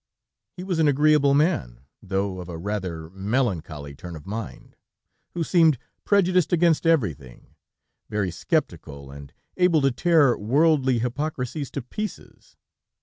He was an agreeable man, though of a rather melancholy turn of mind, who seemed prejudiced against everything, very skeptical, and able to tear worldly hypocrisies to pieces.